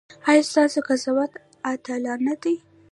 ایا ستاسو قضاوت عادلانه دی؟